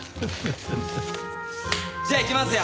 じゃあいきますよ！